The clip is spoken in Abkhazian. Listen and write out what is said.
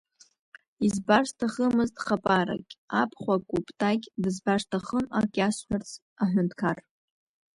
Избар сҭахымызт Хапарагь, абхәа Кәыптагь, дызбар сҭахын, ак иасҳәарц, аҳәынҭқар.